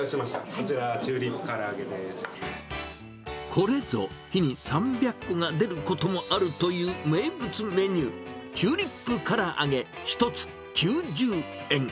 こちら、これぞ、日に３００個が出ることもあるという名物メニュー、チューリップ唐揚げ１つ９０円。